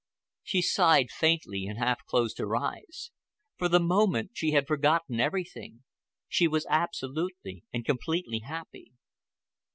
She sighed faintly and half closed her eyes. For the moment she had forgotten everything. She was absolutely and completely happy.